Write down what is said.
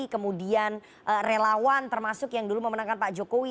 kemudian relawan termasuk yang dulu memenangkan pak jokowi